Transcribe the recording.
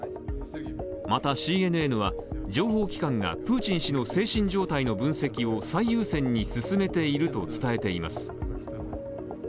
また、ＣＮＮは、情報機関がプーチン氏の精神状態の分析を最優先に進めていると伝えています。